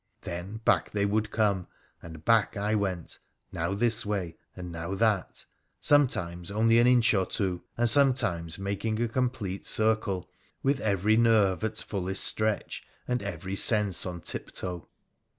Then back they would come, and back I went, now this way and now that — sometimes only an inch or two, and sometimes making a complete circle — with every nerve at fullest stretch, and every sense on tiptoe.